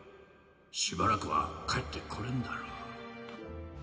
しばらくは帰って来れんだろう。